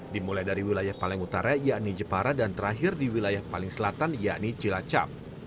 dimulai dari wilayah paling utara yakni jepara dan terakhir di wilayah paling selatan yakni cilacap